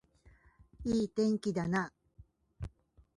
いい天気だな